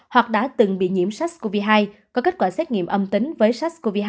hoặc đã từng bị nhiễm sars cov hai có kết quả xét nghiệm âm tính với sars cov hai